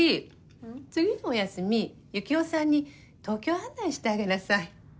次のお休みユキオさんに東京案内してあげなさい。